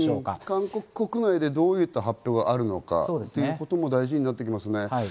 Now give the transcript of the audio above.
韓国国内でどういった発表があるのかということも大事になってきますね。